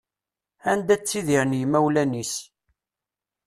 Anda ttidiren yimawlan-is.